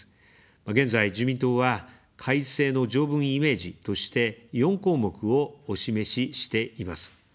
現在、自民党は改正の条文イメージとして、４項目をお示ししています。